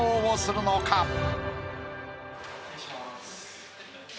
失礼します。